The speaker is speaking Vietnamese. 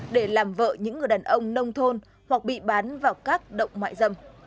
để làm vợ những người đàn ông nông thôn hoặc bị bán vào các động mại dâm